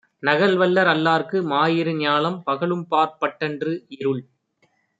நகல்வல்லர் அல்லார்க்கு, மாயிரு ஞாலம், பகலும்பாற் பட்டன்று; இருள்.